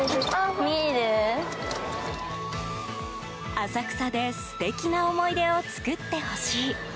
浅草で素敵な思い出を作ってほしい。